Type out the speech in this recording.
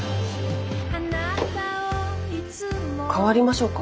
代わりましょうか？